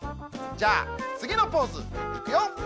じゃあつぎのポーズいくよ。